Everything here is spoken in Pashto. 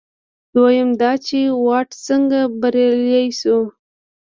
دویم دا چې واټ څنګه بریالی شو.